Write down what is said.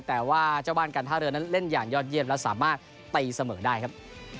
แต่ว่าเจ้าบ้านการท่าเรือนั้นเล่นอย่างยอดเยี่ยมและสามารถตีเสมอได้ครับ